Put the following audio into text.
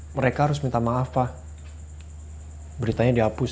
mereka harus minta maaf pak beritanya dihapus